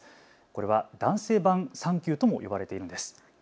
これは男性版産休とも呼ばれているんです。